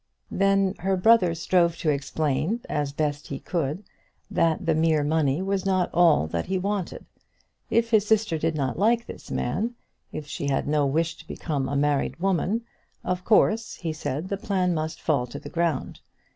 Then her brother strove to explain as best he could that the mere money was not all he wanted. If his sister did not like this man, if she had no wish to become a married woman, of course, he said, the plan must fall to the ground.